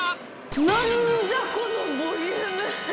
なんじゃ、このボリューム。